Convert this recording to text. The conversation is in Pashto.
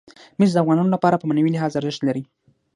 مس د افغانانو لپاره په معنوي لحاظ ارزښت لري.